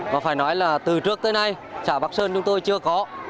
và phải nói là từ trước tới nay xã bắc sơn chúng tôi chưa có